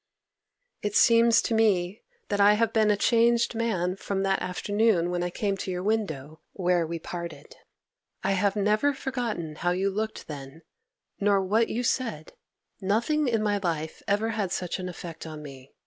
'It seems to me that I have been a changed man from that afternoon when I came to your window where we parted. I have never forgotten how you looked then, nor what you said; nothing in my life ever had such an effect on me.